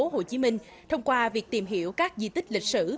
của mảnh đất sài gòn thành phố hồ chí minh thông qua việc tìm hiểu các di tích lịch sử